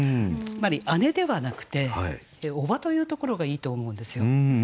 つまり姉ではなくて叔母というところがいいと思うんですよ。